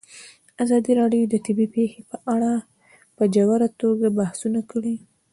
ازادي راډیو د طبیعي پېښې په اړه په ژوره توګه بحثونه کړي.